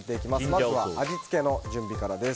まずは味付けの準備からです。